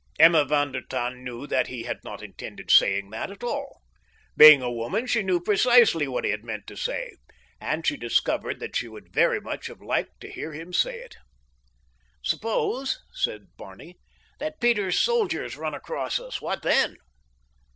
Emma von der Tann knew that he had not intended saying that at all. Being a woman, she knew precisely what he had meant to say, and she discovered that she would very much have liked to hear him say it. "Suppose," said Barney, "that Peter's soldiers run across us—what then?"